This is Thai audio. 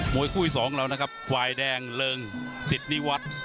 มวยคุยสองแล้วนะครับฝ่ายแดงเริ่งสิดนิวัตต์